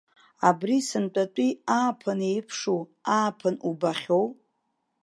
Абри сынтәатәи ааԥын еиԥшу ааԥын убахьоу?